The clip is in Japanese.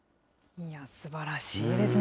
いや、すばらしいですね。